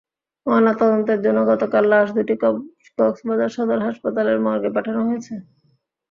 ময়নাতদন্তের জন্য গতকাল লাশ দুটি কক্সবাজার সদর হাসপাতালের মর্গে পাঠানো হয়েছে।